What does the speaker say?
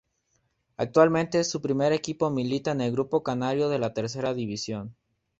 Actualmente su primer equipo milita en el grupo canario de la Tercera División.